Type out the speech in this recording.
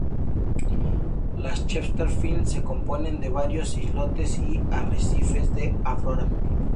Las Chesterfield se componen de varios islotes y arrecifes de afloramiento.